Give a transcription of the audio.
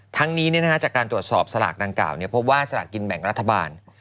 ทั้งนี้จากการตรวจสอบสลากดังกล่าวพบว่าสลากกินแบ่งรัฐบาล